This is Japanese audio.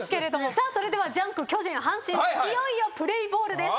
それでは『ジャンク』巨人阪神戦いよいよプレーボールです。